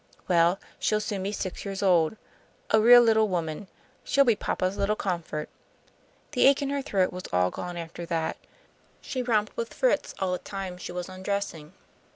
Well, she'll soon be six years old, a real little woman. She'll be papa's little comfort." The ache in her throat was all gone after that. She romped with Fritz all the time she was undressing.